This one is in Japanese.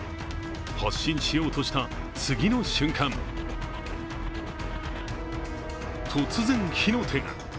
発進しようとした、次の瞬間、突然、火の手が。